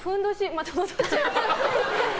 また戻っちゃった。